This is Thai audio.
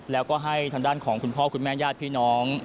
แล้วก็ให้ทางด้านของคุณพ่อคุณแม่ญาติพี่น้อง